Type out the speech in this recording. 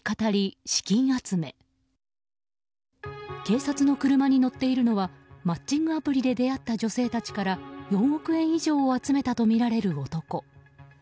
警察の車に乗っているのはマッチングアプリで出会った女性たちから４億円以上を集めたとみられる男。